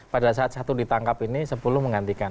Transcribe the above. pada saat satu ditangkap ini sepuluh menggantikan